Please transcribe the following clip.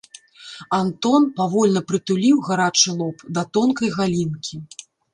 Антон павольна прытуліў гарачы лоб да тонкай галінкі.